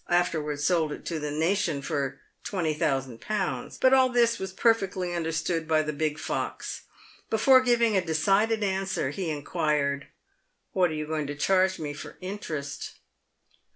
afterwards sold it to the nation for 20,000Z. But all this was perfectly understood by the big fox. Before giving a decided answer, he inquired, " What are you going to charge me for interest